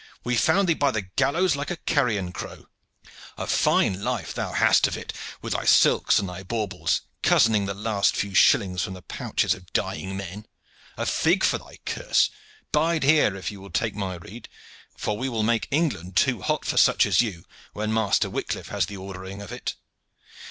we found thee by the gallows like a carrion crow. A fine life thou hast of it with thy silks and thy baubles, cozening the last few shillings from the pouches of dying men. A fig for thy curse! Bide here, if you will take my rede, for we will make England too hot for such as you, when Master Wicliff has the ordering of it.